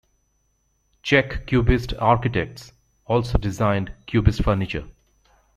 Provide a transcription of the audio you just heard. Czech Cubist architects also designed Cubist furniture.